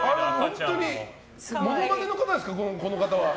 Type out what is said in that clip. モノマネの方ですか、この方は。